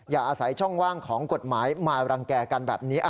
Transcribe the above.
อาศัยช่องว่างของกฎหมายมารังแก่กันแบบนี้